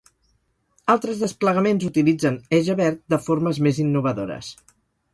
Altres desplegaments utilitzen ejabberd de formes més innovadores.